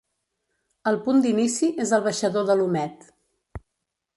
El punt d'inici és el baixador de l'Omet.